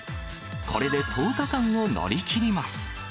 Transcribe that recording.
これで１０日間を乗り切ります。